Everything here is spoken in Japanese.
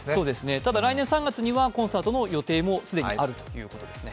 ただ、来年３月にはコンサートの予定も既にあるということですね。